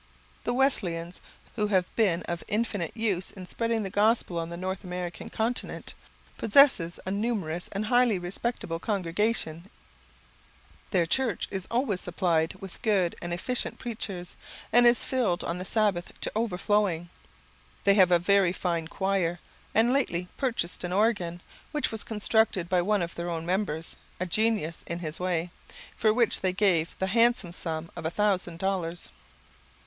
The Wesleyans, who have been of infinite use in spreading the Gospel on the North American continent, possess a numerous and highly respectable congregation in this place. Their church is always supplied with good and efficient preachers, and is filled on the Sabbath to overflowing. They have a very fine choir, and lately purchased an organ, which was constructed by one of their own members, a genius in his way, for which they gave the handsome sum of a thousand dollars.